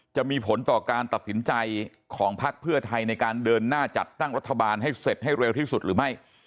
จะมีผลต่อการตัดสินใจของพักเพื่อไทยในการเดินหน้าจัดตั้งรัฐบาลให้เสร็จให้เร็วที่สุดหรือไม่